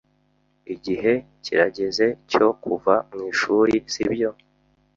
Igihe kirageze cyo kuva mwishuri, sibyo?